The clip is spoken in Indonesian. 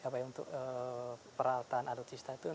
peralatan adultista itu